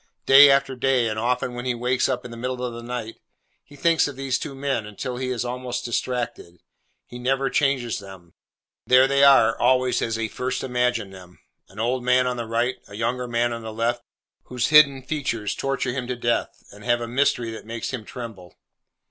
Day after day, and often when he wakes up in the middle of the night, he thinks of these two men until he is almost distracted. He never changes them. There they are always as he first imagined them—an old man on the right; a younger man upon the left—whose hidden features torture him to death, and have a mystery that makes him tremble.